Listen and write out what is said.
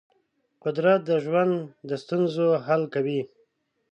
قدرت د ژوند د ستونزو حل کوي.